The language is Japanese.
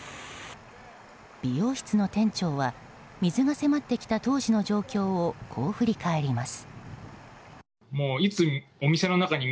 美容室の店長は水が迫ってきた当時の状況をこう振り返ります。